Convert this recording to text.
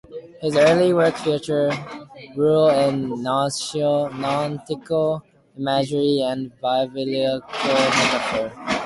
His early work featured rural and nautical imagery and Biblical metaphors.